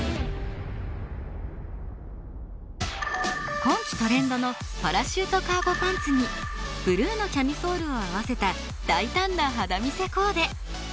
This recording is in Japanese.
今季トレンドのパラシュートカーゴパンツにブルーのキャミソールを合わせた大胆な肌見せコーデ。